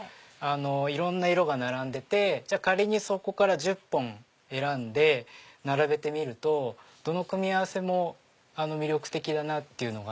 いろんな色が並んでて仮にそこから１０本選んで並べてみるとどの組み合わせも魅力的だなっていうのがあって。